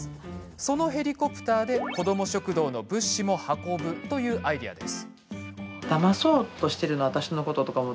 そのヘリで、子ども食堂の物資も運ぶというアイデアです。